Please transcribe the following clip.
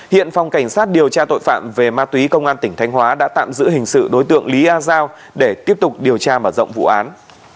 hiện phòng cảnh sát điều tra tội phạm về ma túy công an tỉnh thanh hóa đã tạm giữ hình sự đối tượng lý a giao để tiếp tục điều tra mở rộng vụ án